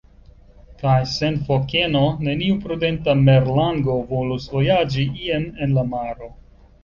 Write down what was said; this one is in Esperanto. Kaj sen fokeno neniu prudenta merlango volus vojaĝi ien en la maro.